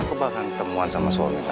aku bakal ketemuan sama suami kamu ya